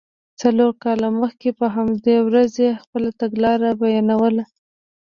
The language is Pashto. څلور کاله مخکې په همدې ورځ یې خپله تګلاره بیانوله.